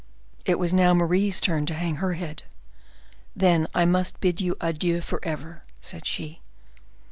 It was now Marie's turn to hang her head. "Then I must bid you adieu forever," said she.